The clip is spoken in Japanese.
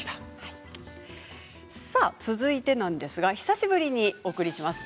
続いてなんですが久しぶりにお送りします。